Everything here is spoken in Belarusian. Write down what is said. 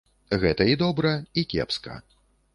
Гэта і добра, і кепска!